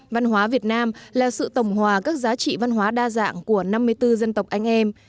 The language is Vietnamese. văn hóa việt nam là sự tổng hòa các giá trị văn hóa đa dạng của năm mươi bốn dân tộc anh em